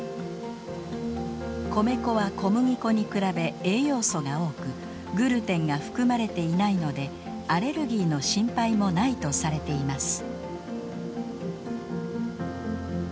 米粉は小麦粉に比べ栄養素が多くグルテンが含まれていないのでアレルギーの心配もないとされています。